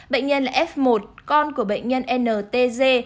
bệnh nhân là f một con của bệnh nhân ntg